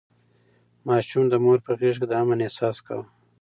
ماشوم د مور په غېږ کې د امن احساس کاوه.